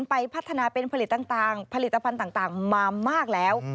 ไปพัฒนาเป็นผลิตต่างผลิตภัณฑ์ต่างมามากแล้ว